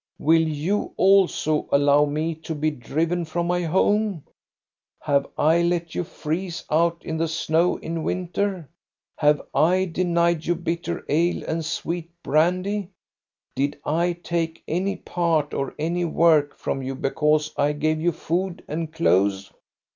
"Will you also allow me to be driven from my home? Have I let you freeze out in the snow in winter? Have | denied you bitter ale and sweet 58 THE STORY OF GO ST A BE RUNG brandy ? Did I take any pay or any work from you because I gave you food and clothes